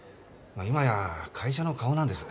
今や会社の顔なんです。